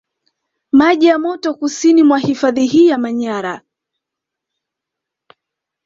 Maji ya moto kusini mwa hifadhi hii ya Manyara